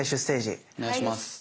お願いします。